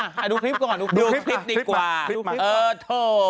อ้าวดูคลิปก่อนดูคลิปก่อนอร่อย